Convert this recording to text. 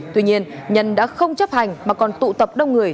tuy nhiên nhân đã không chấp hành mà còn tụ tập đông người